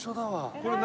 これ何？